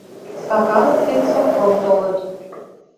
Сакаров ден Сопром толыт.